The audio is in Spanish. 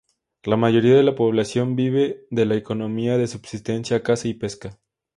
La mayoría de la población vive de la economía de subsistencia: caza y pesca.